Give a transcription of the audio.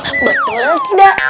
betul atau tidak